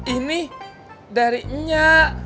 ini dari nya